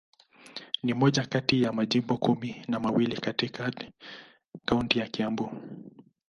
Ni moja kati ya majimbo kumi na mawili yaliyo katika kaunti ya Kiambu.